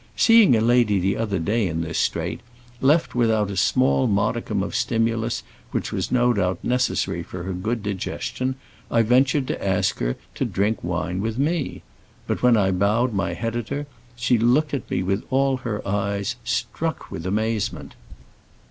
Seeing a lady the other day in this strait, left without a small modicum of stimulus which was no doubt necessary for her good digestion, I ventured to ask her to drink wine with me. But when I bowed my head at her, she looked at me with all her eyes, struck with amazement.